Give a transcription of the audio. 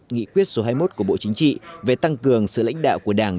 nghị quyết số hai mươi một của bộ chính trị về tăng cường sự lãnh đạo của đảng